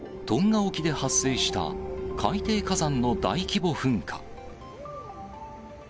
トンガ沖で発生した海底火山の大規模噴火。